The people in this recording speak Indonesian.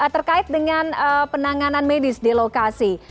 terkait dengan penanganan medis di lokasi